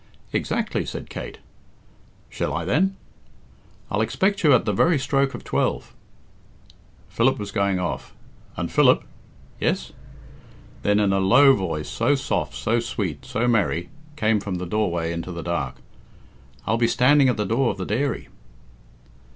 "Exactly," said Kate. "Shall I, then?" "I'll expect you at the very stroke of twelve." Philip was going off. "And, Philip!" "Yes?" Then a low voice, so soft, so sweet, so merry, came from the doorway into the dark, "I'll be standing at the door of the dairy."